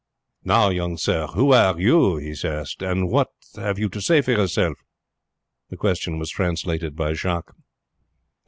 "Now, young sir, who are you," he asked, "and what have you to say for yourself?" The question was translated by Jacques.